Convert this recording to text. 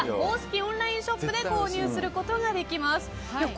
オンラインショップで購入することができます。